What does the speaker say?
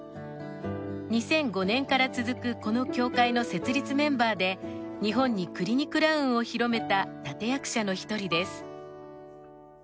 ２００５年から続くこの協会の設立メンバーで日本にクリニクラウンを広めた立役者の一人です。